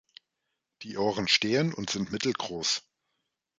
Die Ohren stehen und sind mittelgroß.